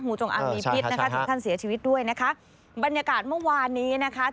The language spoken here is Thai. จงอางมีพิษนะคะถึงขั้นเสียชีวิตด้วยนะคะบรรยากาศเมื่อวานนี้นะคะ